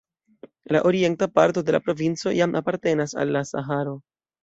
La orienta parto de la provinco jam apartenas al la Saharo.